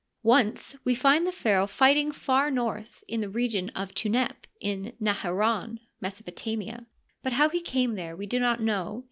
Once we find the pharaoh fighting far north, in the region of Tunep in Nekaren (Mesopotamia), but how he came there we do not know.